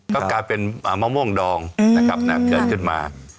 ก็กลายเป็นมะม่วงดองนะครับเกิดขึ้นมา